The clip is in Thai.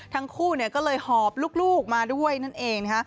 ทั้งคู่ก็เลยหอบลูกมาด้วยนั่นเอง